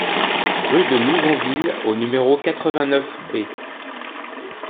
Rue de Nouzonville au numéro quatre-vingt-neuf B